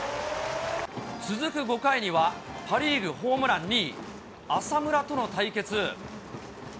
続く５回にはパ・リーグホームラン２位、浅村との対決。